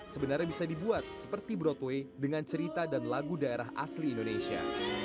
sebenarnya bisa dibuat seperti broadway dengan cerita dan lagu daerah asli indonesia